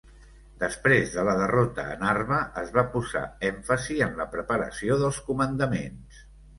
Després de la derrota a Narva, es va posar èmfasi en la preparació dels comandaments.